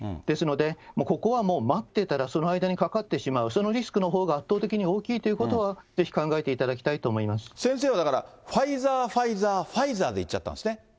ですので、ここはもう、待ってたらその間にかかってしまう、そのリスクのほうが圧倒的に大きいということは、ぜひ、考えていただ先生はだから、ファイザー、ファイザー、ファイザーでいっちゃったんですね。